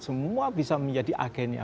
semua bisa menjadi agennya